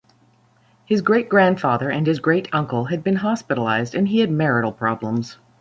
His great-grandfather and his great-uncle had been hospitalized, and he had marital problems.